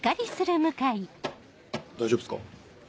大丈夫っすか？